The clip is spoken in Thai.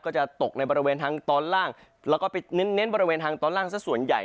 จะตกในบริเวณทางตอนล่างแล้วก็ไปเน้นบริเวณทางตอนล่างสักส่วนใหญ่